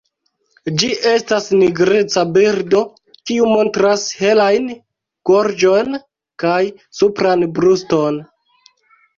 Ĝi estas nigreca birdo, kiu montras helajn gorĝon kaj supran bruston.